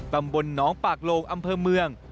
ตำบลหนองปากโลงอำเภอเมือง